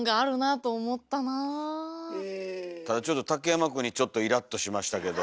ただちょっと竹山くんにちょっとイラッとしましたけど。